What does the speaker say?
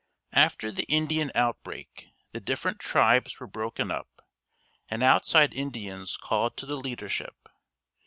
After the Indian outbreak the different tribes were broken up and outside Indians called to the leadership.